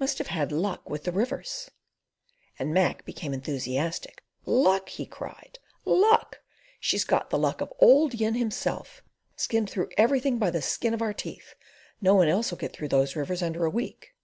Must have had luck with the rivers"; and Mac became enthusiastic. "Luck!" he cried. "Luck! She's got the luck of the Auld Yin himself—skinned through everything by the skin of our teeth. No one else'll get through those rivers under a week."